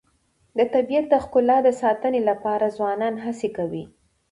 د طبیعت د ښکلا د ساتنې لپاره ځوانان هڅې کوي.